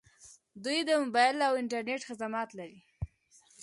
دوی د موبایل او انټرنیټ خدمات لري.